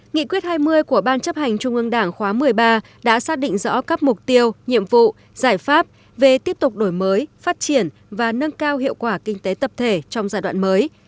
nghị quyết hai mươi của ban chấp hành trung ương đảng khóa một mươi ba đã xác định rõ các mục tiêu nhiệm vụ giải pháp về tiếp tục đổi mới phát triển và nâng cao hiệu quả kinh tế tập thể trong giai đoạn mới